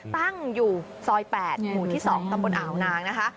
ตั้งอยู่ซอย๘หมู่ที่๒ตำบลอ่าวนางนะคะ